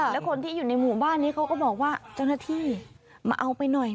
แล้วคนที่อยู่ในหมู่บ้านก็บอกว่าบ้านมาเอาไปบอบรรยะ